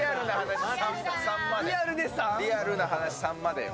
リアルな話、３までよ。